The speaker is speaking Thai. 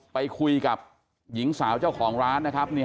ไปคุยกับหญิงสาวเจ้าของร้านนะครับ